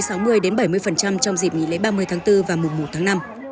trong dịp nghỉ lễ ba mươi tháng bốn và mùa một tháng năm